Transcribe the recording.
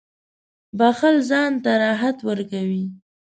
• بښل ځان ته راحت ورکوي.